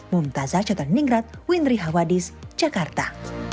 mumtazah catan ningrat windri hawadis jakarta